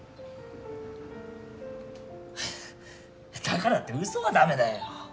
だからって嘘はダメだよ。